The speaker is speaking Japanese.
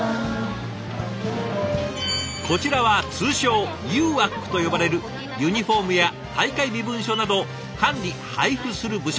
こちらは通称「ＵＡＣ」と呼ばれるユニフォームや大会身分証などを管理・配布する部署。